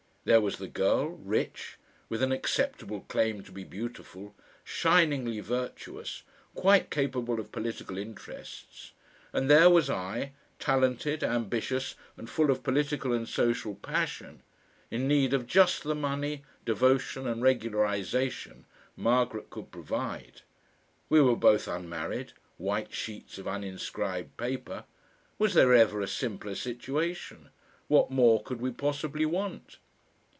There was the girl, rich, with an acceptable claim to be beautiful, shiningly virtuous, quite capable of political interests, and there was I, talented, ambitious and full of political and social passion, in need of just the money, devotion and regularisation Margaret could provide. We were both unmarried white sheets of uninscribed paper. Was there ever a simpler situation? What more could we possibly want?